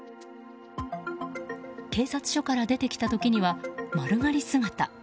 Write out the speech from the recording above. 警察署から出てきた時には丸刈り姿。